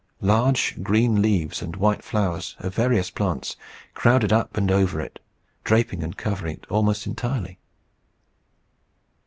Large green leaves and white flowers of various plants crowded up and over it, draping and covering it almost entirely.